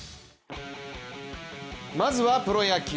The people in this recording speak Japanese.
まずは、プロ野球。